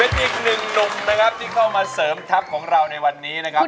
เป็นอีกหนึ่งหนุ่มนะครับที่เข้ามาเสริมทัพของเราในวันนี้นะครับ